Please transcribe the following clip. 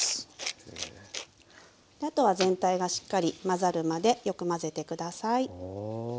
あとは全体がしっかり混ざるまでよく混ぜて下さい。